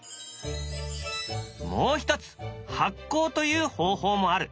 もう一つ「はっこう」という方法もある。